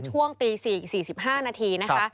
ช่วงตี๔อีก๔๕นาทีนะคะ